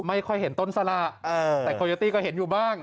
ไม่ค่อยเห็นต้นสละแต่โคโยตี้ก็เห็นอยู่บ้าง